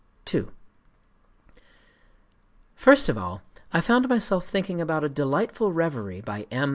II First of all, I found myself thinking about a delightful revery by M.